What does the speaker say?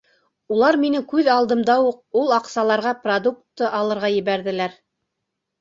Улар минең күҙ алдымда уҡ ул аҡсаларға продукты алырға ебәрҙеләр.